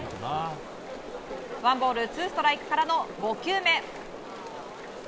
ワンボールツーストライクからの５球目。